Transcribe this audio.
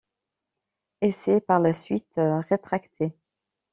Elle s'est par la suite rétractée.